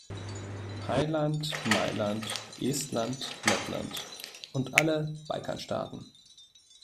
Heiland, Mailand, Estland, Lettland und alle Balkanstaaten!